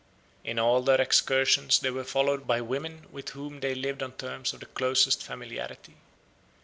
In all their excursions they were followed by women with whom they lived on terms of the closest familiarity.